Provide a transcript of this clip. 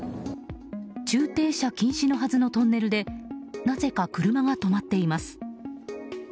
駐停車禁止のはずのトンネルでなぜか車が止まっています。